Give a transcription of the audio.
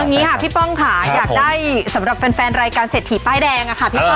อันนี้ค่ะพี่ป้องเป็นแฟนรายการเสถียร์ป้ายแดง